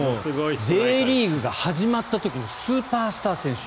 Ｊリーグが始まった時のスーパースター選手。